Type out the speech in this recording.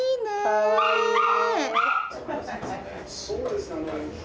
かわいいね。